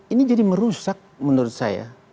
ini jadi merusak menurut saya